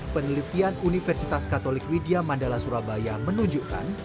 penelitian universitas katolik widya mandala surabaya menunjukkan